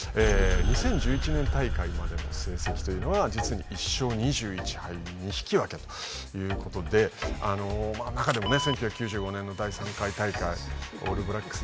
２０１１年大会までの成績というのは実に１勝２１敗２引き分けということで中でもね１９９５年の第３回大会オールブラックス